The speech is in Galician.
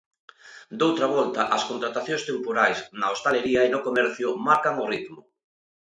Doutra volta, as contratacións temporais na hostalería e no comercio marcan o ritmo.